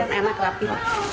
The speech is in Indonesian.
jadi kan enak rapi